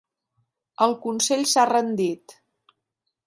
El Consell s'ha rendit.